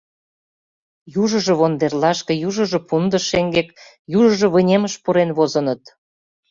Южыжо вондерлашке, южыжо пундыш шеҥгек, южыжо вынемыш пурен возыныт.